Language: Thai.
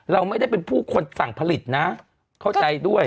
เราไม่ได้เป็นผู้คนสั่งผลิตนะเข้าใจด้วย